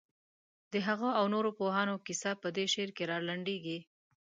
د هغه او نورو پوهانو کیسه په دې شعر کې رالنډېږي.